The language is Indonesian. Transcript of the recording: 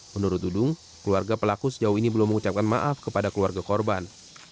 menurut dudung keluarga pelaku sejauh ini belum mengucapkan maaf kepada keluarga korban